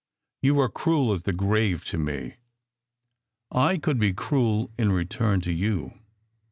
You were cruel as the grave to me. I could be cruel in return to you.